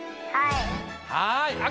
はい。